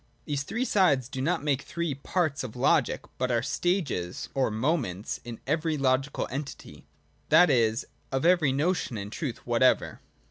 These three sides do not make three parts of logic, i but are stages or ' moments ' in every logical entity, that : is, of every notion and truth whatever.